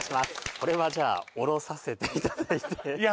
これはじゃ下ろさせていただいていや